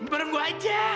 bareng gue aja